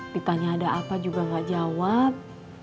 ditanya ada apa juga nggak jawab